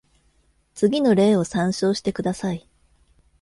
次の例を参照してください。